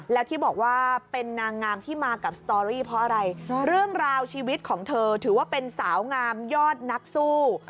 แล้วที่บอกว่าเป็นนางงามที่มากับสตอรี่เพราะอะไรเรื่องราวชีวิตของเธอถือว่าเป็นสาวงามยอดนักสู้